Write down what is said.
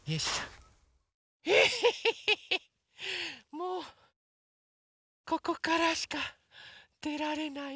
もうここからしかでられない。